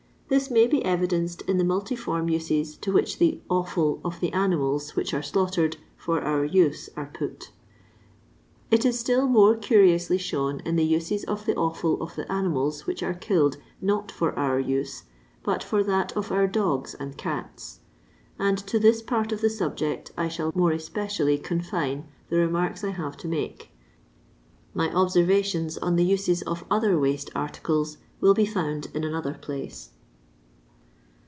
This may be evidenced in the multiform uses to which the " efikl " of the animals which are slaughtered for our use are put It is still more curiously shown in the uses of the oifid of the animals which are killed, not for our use, but for that of our dogs and cats ; and to this part of the subject I shall more especially confine the remarks I have to make. My observations on the uses of other waste articles will be found in another place.